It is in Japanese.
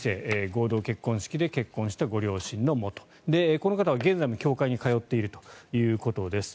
合同結婚式で結婚したご両親のもとこの方は現在も教会に通っているということです。